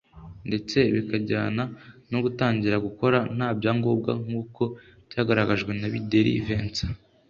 ndetse bikanajyana no gutangira gukora nta byangombwa nk’uko byagaragajwe na Bideri Vincent